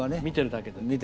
見てるだけで。